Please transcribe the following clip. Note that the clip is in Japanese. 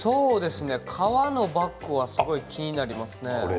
革のバッグはすごい気になりますね。